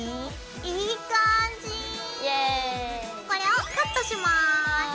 これをカットします。